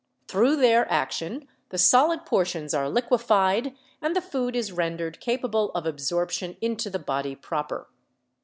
Through their action the solid portions are liquefied and the food is rendered capable of absorption into the body proper.